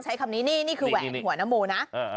ใช้คำนี้นี่นี่คือแหวนหัวนโมนะ